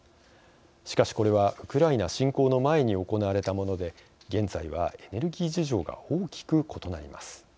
しかしこれはウクライナ侵攻の前に行われたもので現在はエネルギー事情が大きく異なります。